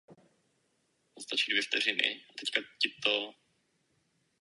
Dochází k pokusům stavět tyto druhy solidarity proti sobě.